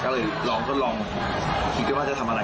ก็เลยลองทดลองคิดกันว่าจะทำอะไร